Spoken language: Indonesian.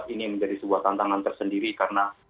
ini menjadi sebuah tantangan tersendiri karena